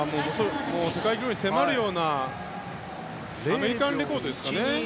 世界記録に迫るようなアメリカンレコードですかね。